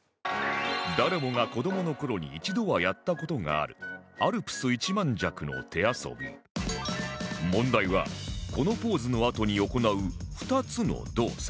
誰もが子どもの頃に一度はやった事がある問題はこのポーズのあとに行う２つの動作